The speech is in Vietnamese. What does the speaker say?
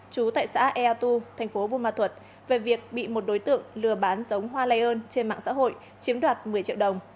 chú tại xã eatu tp bumatut về việc bị một đối tượng lừa bán giống hoa lây ơn trên mạng xã hội chiếm đoạt một mươi triệu đồng